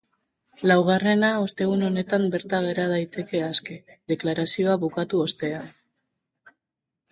Laugarrena ostegun honetan bertan gera daiteke aske, deklarazioa bukatu ostean.